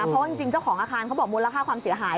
เพราะว่าจริงเจ้าของอาคารเขาบอกมูลค่าความเสียหาย